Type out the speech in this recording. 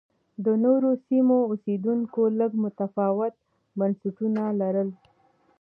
د نورو سیمو اوسېدونکو لږ متفاوت بنسټونه لرل